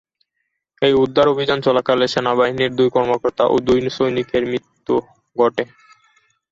এই উদ্ধার অভিযান চলাকালে সেনাবাহিনীর দুই কর্মকর্তা ও দুই সৈনিকের মৃত্যু ঘটে।